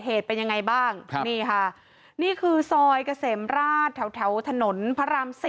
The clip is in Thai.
เหตุเป็นยังไงบ้างนี่ค่ะนี่คือซอยเกษมราชแถวถนนพระราม๔